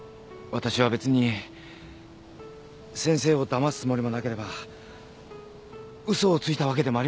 わたしは別に先生をだますつもりもなければ嘘をついたわけでもありません。